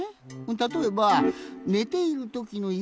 たとえばねているときの夢